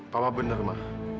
papa bener ma